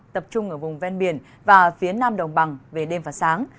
tập trung ở vùng ven biển và phía nam đồng bằng về đêm và sáng